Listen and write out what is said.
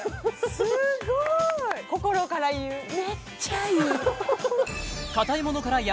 すごい心から言うお！